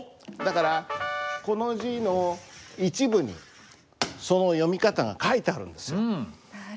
だからこの字の一部にその読み方が書いてあるんですよ。